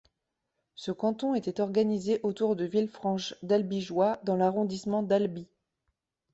Ce canton était organisé autour de Villefranche-d'Albigeois dans l'arrondissement d'Albi.